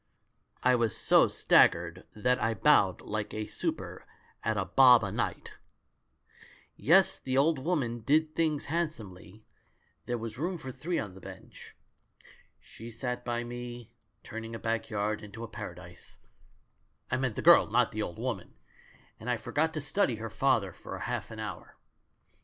"I was so staggered that I bowed like a super at a bob a night. "Yes, the old woman did things handsomely — A VERY GOOD THING FOR THE GIRL 27 there was room for three on the bench. She sat by me, turning a backyard into paradise — I mean the girl, not the old woman — and I forgot to study her father for half an hour.